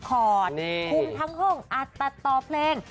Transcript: คุมทั้งห้องอัดตัดต่อเพลง